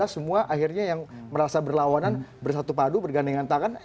semua akhirnya yang merasa berlawanan bersatu padu bergandengan tangan